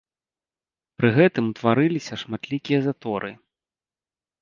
Пры гэтым ўтварыліся шматлікія заторы.